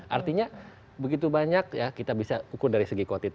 artinya begitu banyak ya kita bisa ukur dari segi kuotit